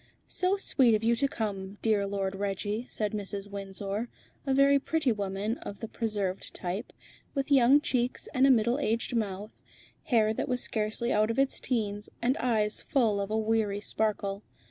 "So sweet of you to come, dear Lord Reggie," said Mrs. Windsor, a very pretty woman of the preserved type, with young cheeks and a middle aged mouth, hair that was scarcely out of its teens, and eyes full of a weary sparkle.